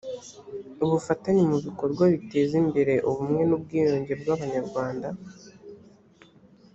ubufatanye mu bikorwa biteza imbere ubumwe n ubwiyunge bw abanyarwanda